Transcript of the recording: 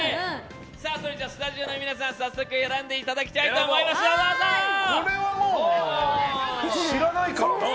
それじゃあスタジオの皆さん早速選んでいただきたいとこれはもう、知らないからな。